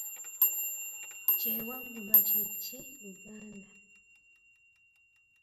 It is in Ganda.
Kyewaggulwa kye ki Luganda?